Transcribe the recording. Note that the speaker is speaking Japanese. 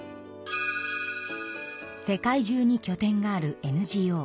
世界中にきょ点があるＮＧＯ